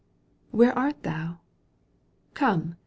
Where art thou ? Come